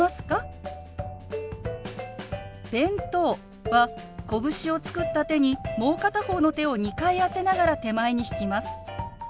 「弁当」はこぶしを作った手にもう片方の手を２回当てながら手前に引きます。